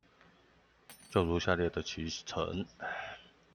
就如下列的期程